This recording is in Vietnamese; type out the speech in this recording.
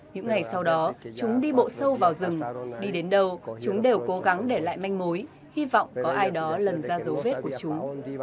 những ngày sau đó chúng đi bộ sâu vào rừng đi đến đâu chúng đều cố gắng để lại manh mối hy vọng có ai đó lần ra dấu vết của chúng